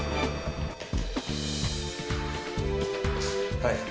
はい。